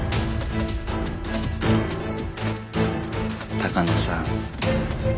鷹野さん。